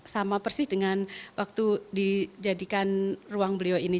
sama persis dengan waktu dijadikan ruang beliau ini